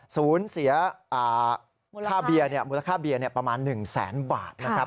สูญเสียค่าเบียร์ประมาณ๑แสนบาทนะครับ